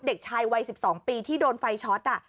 เด็กชายวัย๑๒ปีที่โดนไฟช็อต